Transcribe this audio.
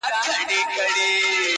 o خوله ئې د سوى، شخوند ئې د اوښ٫